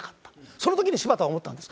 その時に柴田は思ったんです。